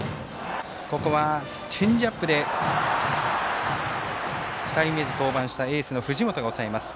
ここはチェンジアップで２人目で登板したエースの藤本が抑えます。